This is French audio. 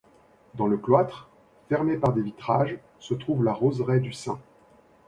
Dans le cloître, fermé par des vitrages, se trouve la roseraie du saint.